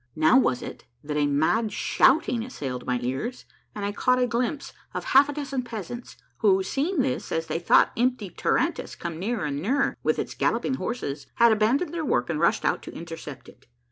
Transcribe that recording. Now was it that a mad shouting assailed my ears and I caught a glimpse of half a dozen peasants who, seeing this, as they thought. A MARVELLOUS UNDERGROUND JOURNEY 19 empty tarantass come nearer and nearer with its galloping horses, had abandoned their work and rushed out to intercept it.